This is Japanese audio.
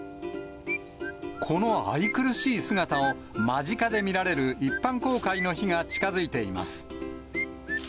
この愛くるしい姿を間近で見られる一般公開の日が近づいています。